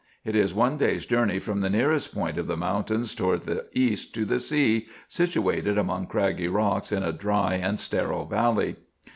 It is one day's journey from the nearest point of the mountains towards the east to the sea, situated among craggy rocks, in a dry and sterile valley.